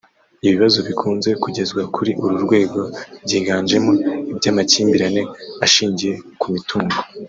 Ibibazo bikunze kugezwa kuri uru rwego byiganjemo iby’amakimbirane ashingiye ku mitungo